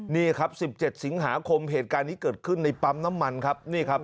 นี่ครับ๑๗สิงหาคมเหตุการณ์นี้เกิดขึ้นในปั๊มน้ำมันครับนี่ครับ